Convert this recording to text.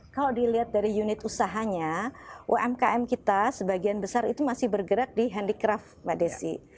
kalau dilihat dari unit usahanya umkm kita sebagian besar itu masih bergerak di handicraft mbak desi